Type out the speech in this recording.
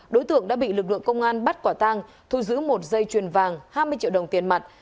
đối tượng đã bị lực lượng công an bắt quả tang thu giữ một dây chuyền vàng hai mươi triệu đồng tiền mặt